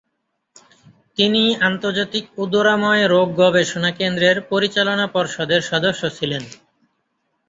তিনি আন্তর্জাতিক উদরাময় রোগ গবেষণা কেন্দ্রের পরিচালনা পর্ষদের সদস্য ছিলেন।